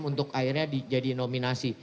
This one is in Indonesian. untuk akhirnya jadi nominasi